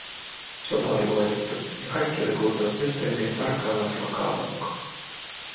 Sota oli voitettu, ja kaikki oli kulkenut Mysteerimiehen tarkkaan laskeman kaavan mukaan.